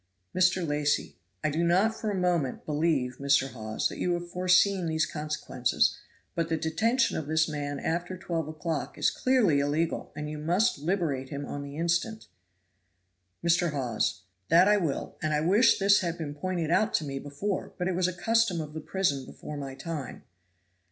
Mr. Lacy. "I do not for a moment believe, Mr. Hawes, that you have foreseen these consequences, but the detention of this man after twelve o'clock is clearly illegal, and you must liberate him on the instant." Mr. Hawes. "That I will, and I wish this had been pointed out to me before, but it was a custom of the prison before my time."